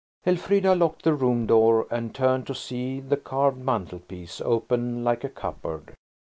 Elfrida locked the room door, and turned to see the carved mantelpiece, open like a cupboard.